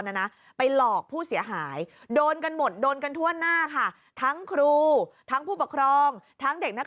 นะนะไปหลอกผู้เสียหายโดนกันหมดโดนกันทั่วหน้าค่ะทั้งครูทั้งผู้ปกครองทั้งเด็กนักเรียน